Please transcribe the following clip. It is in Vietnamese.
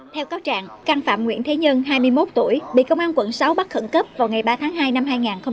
theo các trạng căn phạm nguyễn thế nhân hai mươi một tuổi bị công an quận sáu bắt khẩn cấp vào ngày ba tháng hai năm hai nghìn một mươi năm